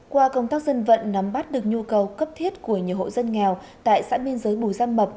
qua công tác dân vận nắm bắt được nhu cầu cấp thiết của nhiều hộ dân nghèo tại xã miên giới bùi giang mập